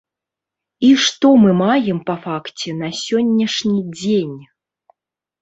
І што мы маем па факце на сённяшні дзень?